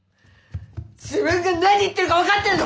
自分が何言ってるか分かってるの！？